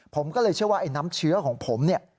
ผมก็เลยเชื่อว่าไอ้น้ำเชื้อของผมเนี่ย